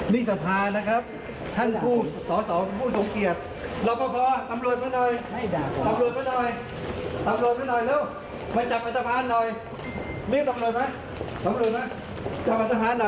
มาเร็ว